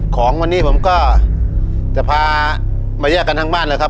ของวันนี้ผมก็จะพามาแยกกันทั้งบ้านแล้วครับ